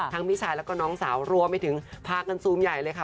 พี่ชายแล้วก็น้องสาวรวมไปถึงพากันซูมใหญ่เลยค่ะ